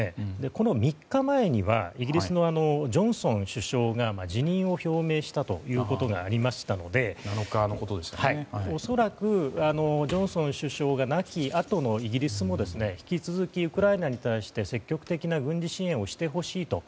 この３日前にはイギリスのジョンソン首相が辞任を表明したということがありましたので恐らくジョンソン首相がなきあとのイギリスも引き続きウクライナに対して積極的な軍事支援をしてほしいと。